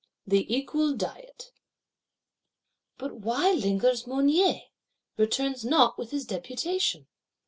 The Equal Diet. But why lingers Mounier; returns not with his Deputation?